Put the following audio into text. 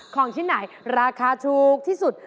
ของชิ้นไหนราคาถูกที่สุด